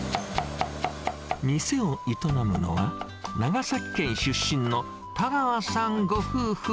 店を営むのは、長崎県出身の田川さんご夫婦。